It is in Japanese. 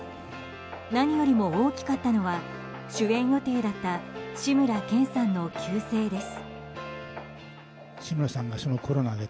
何よりも大きかったのは主演予定だった志村けんさんの急逝です。